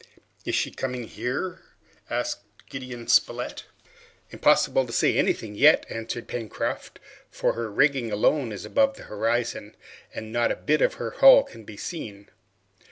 "Is she coming here?" asked Gideon Spilett. "Impossible to say anything yet," answered Pencroft, "for her rigging alone is above the horizon, and not a bit of her hull can be seen."